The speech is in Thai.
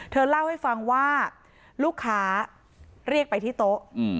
เธอเล่าให้ฟังว่าลูกค้าเรียกไปที่โต๊ะ